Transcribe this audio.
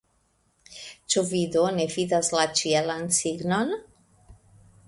Ĉu vi do ne vidas la ĉielan signon ?